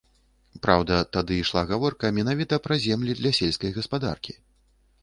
Праўда, тады ішла гаворка менавіта пра землі для сельскай гаспадаркі.